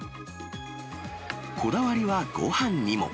こだわりは、ごはんにも。